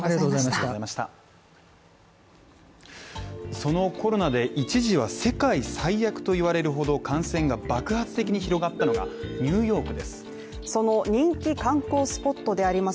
そのコロナで一時は世界最悪と言われるほど感染が爆発的に広がったのが、ニューヨークです。